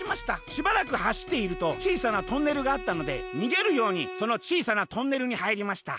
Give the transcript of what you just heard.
しばらくはしっているとちいさなトンネルがあったのでにげるようにそのちいさなトンネルにはいりました。